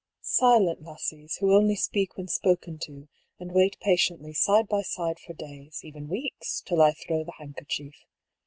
" Silent lassies, who only speak when spoken to, and wait patiently side by side for days, even weeks, till I throw the handkerchief.